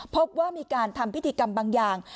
พบว่ามีการทำพิธีกรรมบางอย่าง